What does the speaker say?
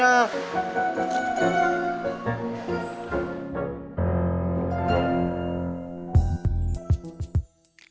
lo sudah mencoba ya